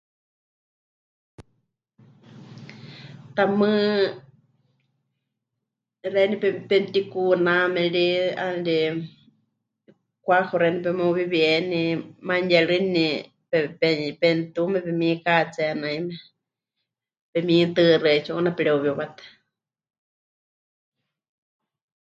Tamɨ́ xeeníu pem... pemɨtikuuná meri, 'aana ri kuaju xeeníu pemeuwiwieni, manuyerɨni, pe... pe... pe'enatume pemikaatsé naime, pemitɨɨxɨ́ 'eetsiwa 'una pereuwiwíwatɨ.